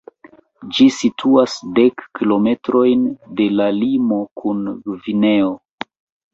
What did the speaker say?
Ĝi situas dek kilometrojn de la limo kun Gvineo.